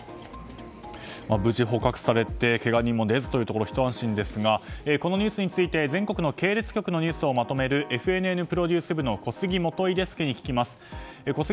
無事捕獲されてけが人も出ずというところひと安心ですがこのニュースについて全国の系列局のニュースをまとめるＦＮＮプロデュース部の小杉基デスクに聞きます。